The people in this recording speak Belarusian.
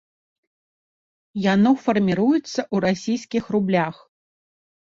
Яно фарміруецца ў расійскіх рублях.